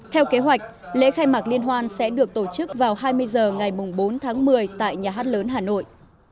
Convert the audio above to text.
theo kế hoạch lễ khai mạc liên hoan sẽ được tổ chức vào hai mươi h ngày bốn tháng một mươi tại nhà hát lớn hà nội